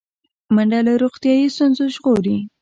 منډه له روغتیایي ستونزو ژغوري